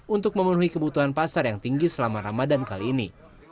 untuk memenuhi kebutuhan pasar yang tinggi selama ramadan kali ini